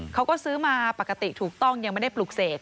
เขาก็ซื้อมาปกติถูกต้องยังไม่ได้ปลูกเสก